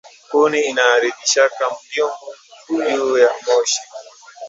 Nkuni inaaribishaka byungu juya moshi